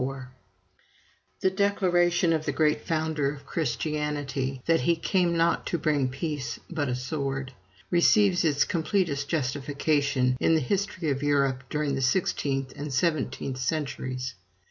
[TN]] The declaration of the great founder of Christianity that he "came not to bring peace, but a sword," receives its completest justification in the history of Europe during the sixteenth and seventeenth centuries.